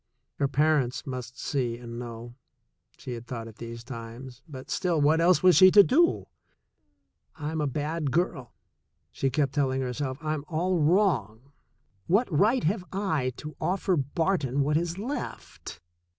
Her parents must see and know, she had thought at these times, but still, what else was she to do? "Fm a bad girl," she kept telling herself. *T'm all I50 THE SECOND CHOICE wrong. What right have I to offer Barton what is left?"